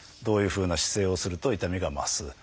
どういうふうな姿勢をすると痛みが増す。